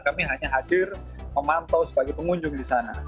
kami hanya hadir memantau sebagai pengunjung di sana